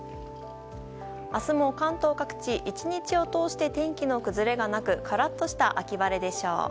明日も関東各地１日を通して天気の崩れがなくカラッとした秋晴れでしょう。